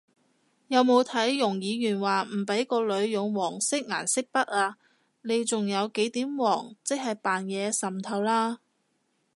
有冇睇容議員話唔畀個女用黃色顏色筆啊？你仲有幾點黃即係扮嘢滲透啦！？